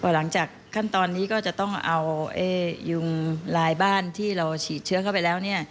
หลังจากขั้นตอนนี้ก็จะต้องเอายุงลายบ้านที่เราฉีดเชื้อเข้าไปแล้ว